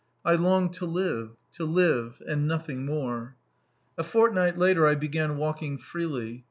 I longed to live to live and nothing more. A fortnight later I began walking freely.